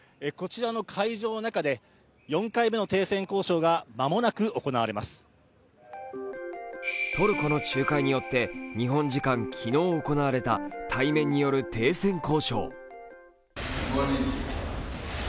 こちらの会場の中で４回目の停戦交渉がトルコの仲介によって日本時間昨日行われた対面による停戦交渉。